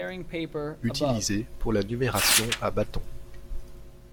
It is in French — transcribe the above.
Utilisés pour la numération à bâtons.